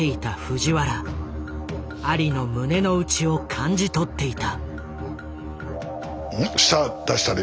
アリの胸の内を感じ取っていた。